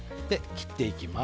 切っていきます。